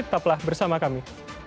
tetaplah bersama kami